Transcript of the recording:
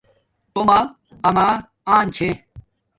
تومہ اما ان چھے